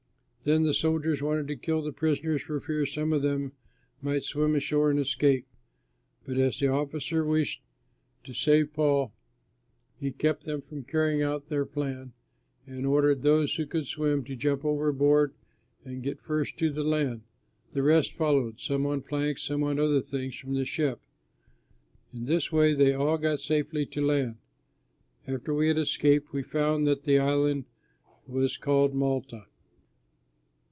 Then the soldiers wanted to kill the prisoners for fear some of them might swim ashore and escape. But as the officer wished to save Paul, he kept them from carrying out their plan, and ordered those who could swim to jump overboard and get first to the land; the rest followed, some on planks and some on other things from the ship. In this way they all got safely to land. After we had escaped we found that the island was called Malta.